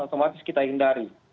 otomatis kita hindari